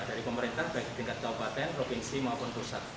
dari pemerintah baik di tingkat kabupaten provinsi maupun pusat